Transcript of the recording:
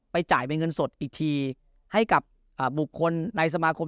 จ่ายเป็นเงินสดอีกทีให้กับบุคคลในสมาคม